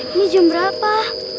ini jam berapa